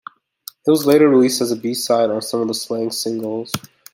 It was later released as a B-side on some of the "Slang" singles.